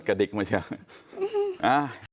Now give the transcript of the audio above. มันกระดิกไม่ใช่ไหม